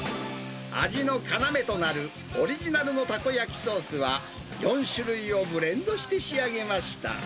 味の要となるオリジナルのタコ焼きソースは４種類をブレンドして仕上げました。